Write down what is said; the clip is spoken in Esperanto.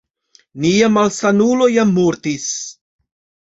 Nia malsanulo jam mortis